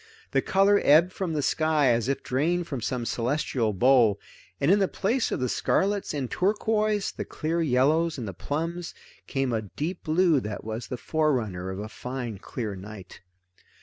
The color ebbed from the sky as if drained from some celestial bowl, and in the place of the scarlets and turquoise, the clear yellows and the plums, came a deep blue that was the forerunner of a fine clear night.